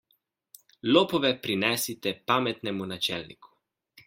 Lopove prinesite pametnemu načelniku.